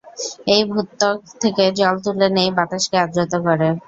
এটা ভূত্বক থেকে জল তুলে নেয়, বাতাসকে আদ্র করে।